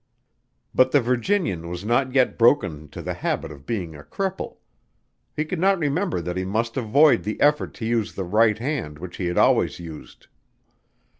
But the Virginian was not yet broken to the habit of being a cripple. He could not remember that he must avoid the effort to use the right hand which he had always used.